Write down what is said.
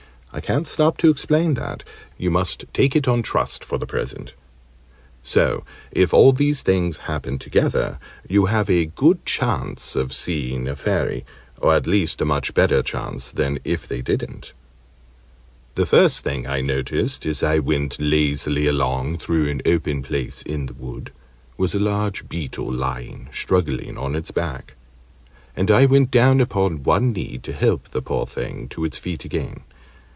I can't stop to explain that: you must take it on trust for the present. So, if all these things happen together, you have a good chance of seeing a Fairy or at least a much better chance than if they didn't. The first thing I noticed, as I went lazily along through an open place in the wood, was a large Beetle lying struggling on its back, and I went down upon one knee to help the poor thing to its feet again.